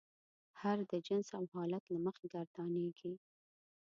هر د جنس او حالت له مخې ګردانیږي.